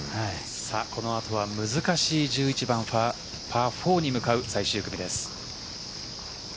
この後は難しい１１番パー４に向かう最終組です。